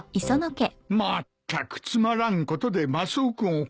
まったくつまらんことでマスオ君を困らせおって。